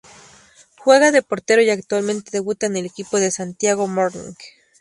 Juega de portero y actualmente debuta en el equipo de Santiago Morning.